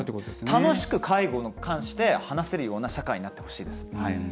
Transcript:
楽しく介護に関して話せる社会がきてほしいです。